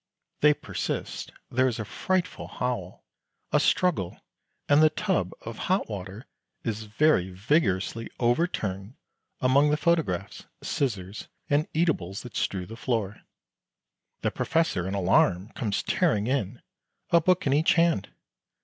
They persist; there is a frightful howl, a struggle, and the tub of hot water is very vigorously overturned among the photographs, scissors, and eatables that strew the floor. The Professor, in alarm, comes tearing in, a book in each hand.